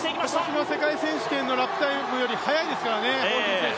今年の世界選手権のラップタイムより速いですからね。